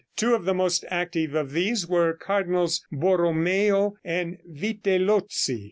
Two of the most active of these were Cardinals Borromeo and Vitellozzi.